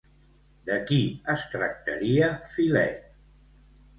De qui es tractaria Filet?